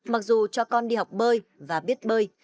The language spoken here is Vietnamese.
mặc dù cho con đi học bơi và biết bơi